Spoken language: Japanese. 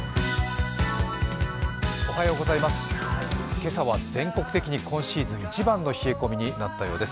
今朝は全国的に今シーズン一番の冷え込みになったようです。